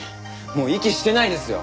もう息してないですよ！